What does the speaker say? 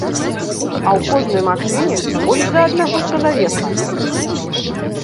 А ў кожнай машыне больш за аднаго чалавека!